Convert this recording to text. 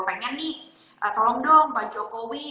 pengen nih tolong dong pak jokowi